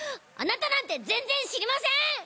あなたなんて全然知りません！